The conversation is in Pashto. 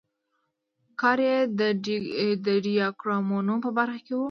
کار یې د ډیاګرامونو په برخه کې و.